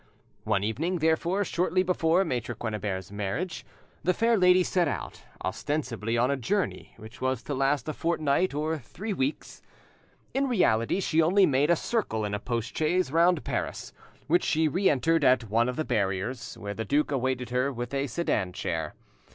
One evening, therefore, shortly before Maitre Quennebert's marriage, the fair lady set out, ostensibly on a journey which was to last a fortnight or three weeks. In reality she only made a circle in a post chaise round Paris, which she re entered at one of the barriers, where the duke awaited her with a sedan chair.